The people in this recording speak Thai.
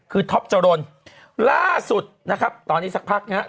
คือท็อปจรนล่าสุดนะครับตอนนี้สักพักนะครับ